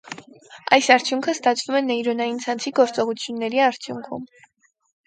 Այս արդյունքը ստացվում է նեյրոնային ցանցի գործողությունների արդյունքում։